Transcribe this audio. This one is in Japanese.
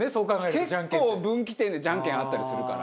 結構分岐点でジャンケンあったりするから。